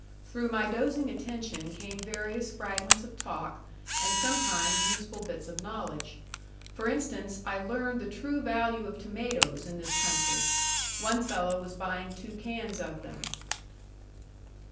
Through my dozing attention came various fragments of talk, and sometimes useful bits of knowledge. For instance, I learned the true value of tomatoes in this country. One fellow was buying two cans of them.